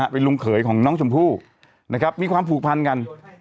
เป็นลุงเขยของน้องชมพู่นะครับมีความผูกพันกัน